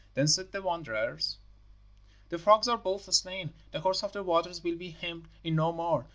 Then said the wanderers, 'The frogs are both slain the course of the waters will be hemmed in no more.